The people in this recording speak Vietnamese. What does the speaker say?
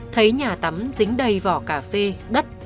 thấy nhà tắm dính đầy vỏ cà phê đất